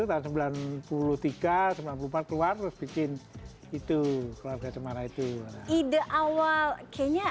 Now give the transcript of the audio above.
tahun sembilan puluh tiga sembilan puluh empat keluar terus bikin itu keluarga cemara itu ide awal kayaknya